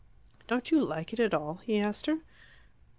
"Don't you like it at all?" he asked her.